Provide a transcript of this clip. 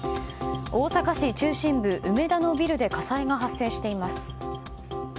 大阪市中心部、梅田のビルで火災が発生しています。